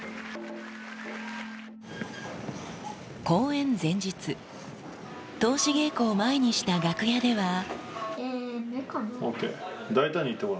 公演前日、通し稽古を前にした楽屋では。